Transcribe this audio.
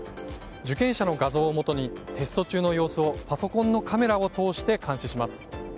受験者の画像をもとにテスト中の様子をパソコンのカメラを通して監視します。